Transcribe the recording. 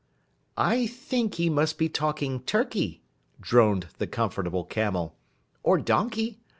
"I think he must be talking Turkey," droned the Comfortable Camel, "or donkey!